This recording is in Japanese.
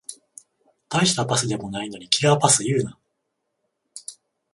たいしたパスでもないのにキラーパス言うな